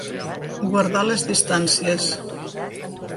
Guardar les distàncies.